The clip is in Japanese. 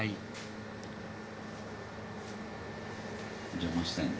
邪魔したいんだよね？